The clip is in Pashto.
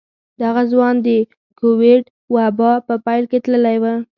دغه ځوان د کوويډ وبا په پيل کې تللی و.